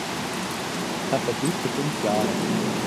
Er verbüßte fünf Jahre.